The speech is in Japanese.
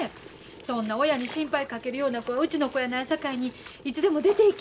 「そんな親に心配かけるような子はうちの子やないさかいにいつでも出ていけ」